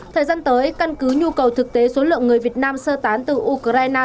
thời gian tới căn cứ nhu cầu thực tế số lượng người việt nam sơ tán từ ukraine